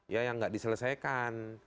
ya yang nggak diselesaikan